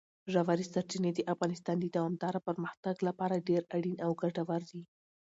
ژورې سرچینې د افغانستان د دوامداره پرمختګ لپاره ډېر اړین او ګټور دي.